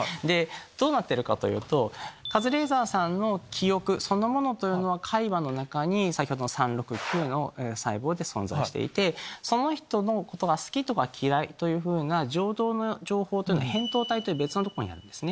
どうなってるかというとカズレーザーさんの記憶そのものというのは海馬の中に先ほどの３６９の細胞で存在していてその人のことが好きとか嫌いとか情動の情報というのは扁桃体という別の所にあるんですね。